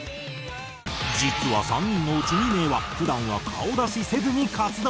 実は３人のうち２名は普段は顔出しせずに活動。